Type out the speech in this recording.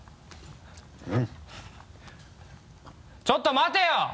ちょっと待てよ！